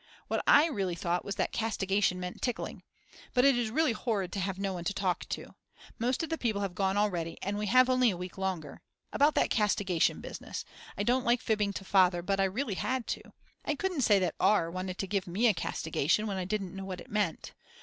What I really thought was that castigation meant tickling. But it is really horrid to have no one to talk to. Most of the people have gone already and we have only a week longer. About that castigation business. I don't like fibbing to Father, but I really had to. I couldn't say that R. wanted to give me a castigation when I didn't know what it meant.